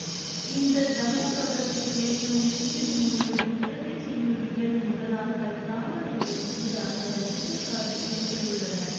இந்தத் தம்மபதம் என்னும் பிரிவுநூலில், இரட்டைச் செய்யுள் இயல் முதலாகப் பிராமண இயல் ஈறாக இருபத்தாறு பிரிவுகள் உள்ளன.